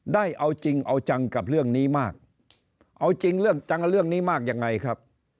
ได้เอาจริงเอาจังกับเรื่องนี้มากเอาจริงเรื่องจังเรื่องนี้มากยังไงครับ